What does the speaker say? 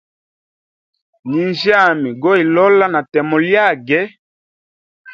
Nyinjyami goilola na temo lyage.